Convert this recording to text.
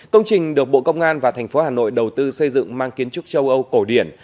công trình được bộ công an và thành phố hà nội đầu tư xây dựng mang kiến trúc châu âu cổ điển